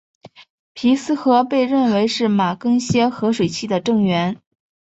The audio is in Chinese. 皮斯河被认为是马更些河水系的正源。